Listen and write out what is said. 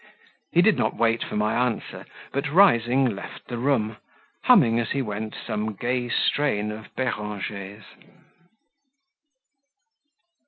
He did not wait for my answer, but rising, left the room, humming as he went some gay strain of Beranger's.